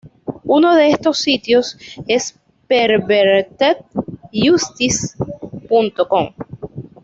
Uno de estos sitios es Perverted-Justice.com.